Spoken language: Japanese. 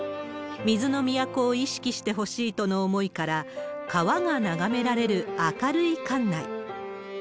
水の都を意識してほしいとの思いから、川が眺められる明るい館内。